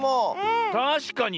たしかに。